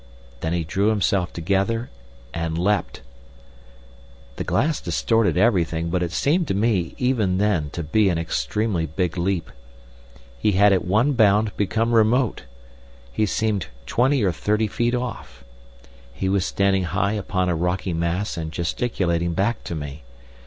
Then he drew himself together and leapt. The glass distorted everything, but it seemed to me even then to be an extremely big leap. He had at one bound become remote. He seemed twenty or thirty feet off. He was standing high upon a rocky mass and gesticulating back to me.